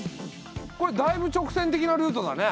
これだいぶ直線的なルートだね。